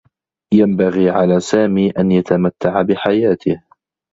ينبغي على سامي أن يتمتّع بحياته.